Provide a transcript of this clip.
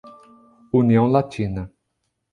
União Latina